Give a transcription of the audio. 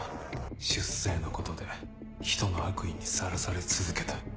出生のことで人の悪意にさらされ続けた。